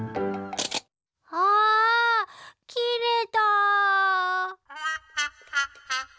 あきれた！